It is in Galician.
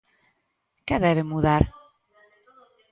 Que debe mudar?